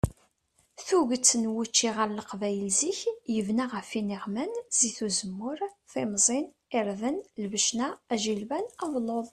Tuget n wučči ar leqbayel zik yebna ɣef iniɣman, zit uzemmur, timẓin, irden, lbecna, ajilban, abelluḍ.